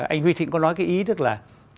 anh huy thịnh có nói cái ý tức là